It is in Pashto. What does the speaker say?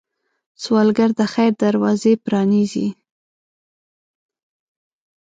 سوالګر د خیر دروازې پرانيزي